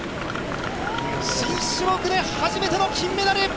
新種目で初めての金メダル。